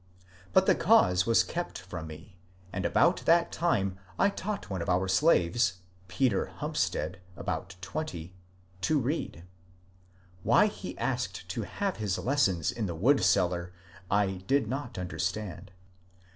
But the cause was kept from me, and about that time I taught one of our slaves — Peter Humstead, about twenty — to read. Why he asked to have his lessons in the wood cellar I did not un derstand.